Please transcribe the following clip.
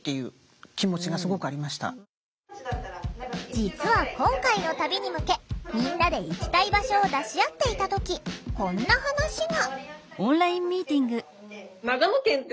実は今回の旅に向けみんなで行きたい場所を出し合っていた時こんな話が。